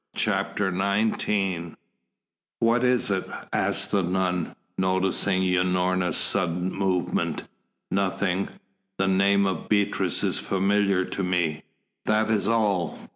CHAPTER XIX "What is it?" asked the nun, noticing Unorna's sudden movement. "Nothing; the name of Beatrice is familiar to me, that is all.